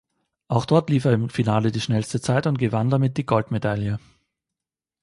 Auch dort lief er im Finale die schnellste Zeit und gewann damit die Goldmedaille.